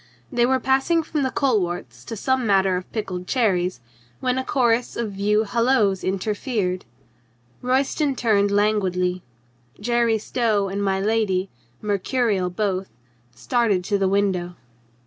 They were passing from the coleworts to some matter of pickled cherries when a chorus of view hallos inter fered. Royston turned languidly. Jerry Stow and my lady, mercurial both, started to the window.